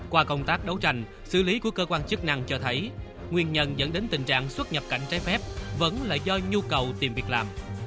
qua công tác đấu tranh xử lý của cơ quan chức năng cho thấy nguyên nhân dẫn đến tình trạng xuất nhập cảnh trái phép vẫn là do nhu cầu tìm việc làm